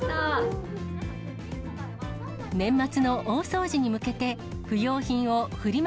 年末の大掃除に向けて、不用品をフリマ